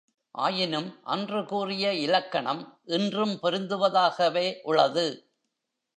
ஆயினும், அன்று கூறிய இலக்கணம், இன்றும் பொருந்துவதாகவே உளது.